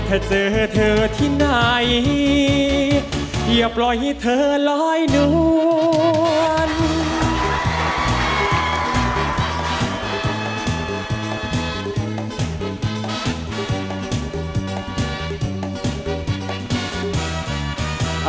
ถ้าเจอเธอที่ไหนอย่าปล่อยให้เธอลอยนวล